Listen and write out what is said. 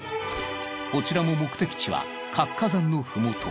こちらも目的地は活火山の麓。